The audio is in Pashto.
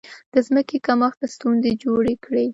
د ځمکې کمښت ستونزې جوړې کړې.